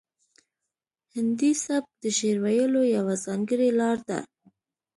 هندي سبک د شعر ویلو یوه ځانګړې لار ده